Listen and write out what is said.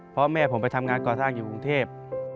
เพราะแม่ผมไปทำงานก่อสร้างอยู่กรุงเทพ